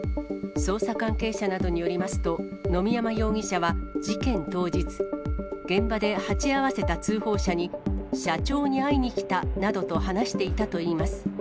捜査関係者などによりますと、野見山容疑者は事件当日、現場で鉢合わせた通報者に、社長に会いに来たなどと話していたといいます。